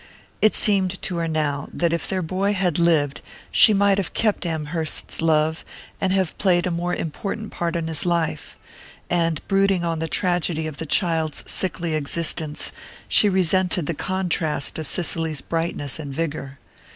It seemed to her now that if their boy had lived she might have kept Amherst's love and have played a more important part in his life; and brooding on the tragedy of the child's sickly existence she resented the contrast of Cicely's brightness and vigour.